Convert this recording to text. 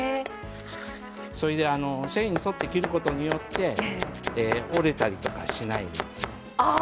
それで繊維に沿って切ることによって折れたりとかしないです。